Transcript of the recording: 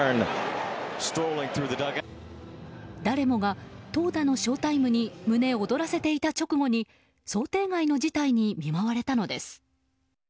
誰もが投打のショウタイムに胸躍らせていた直後に想定外の事態に見舞われたのです。